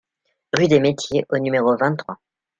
Rue des Metiers au numéro vingt-trois